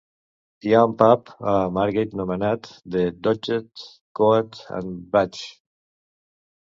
Hi ha un pub a Margate nomenat "The Doggett Coat and Badge".